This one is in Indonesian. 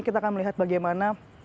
kita akan melihat bagaimana